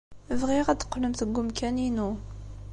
Bɣiɣ ad d-teqqlemt deg umkan-inu.